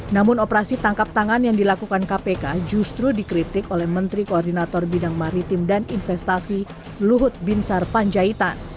namun operasi tangkap tangan yang dilakukan kpk justru dikritik oleh menteri koordinator bidang maritim dan investasi luhut binsar panjaitan